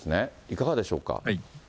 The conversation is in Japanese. いかがでしょうか？